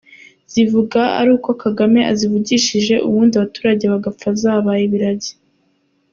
Zivuga ari uko Kagame azivugije ubundi abaturage bagapfa zabaye ibiragi.